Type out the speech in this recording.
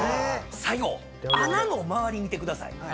最後穴の周り見てください。